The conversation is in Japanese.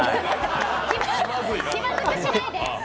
気まずくしないで！